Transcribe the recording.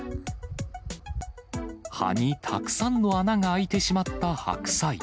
葉にたくさんの穴が開いてしまった白菜。